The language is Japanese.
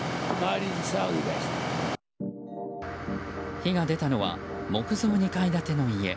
火が出たのは木造２階建ての家。